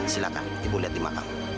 silakan ibu lihat di makam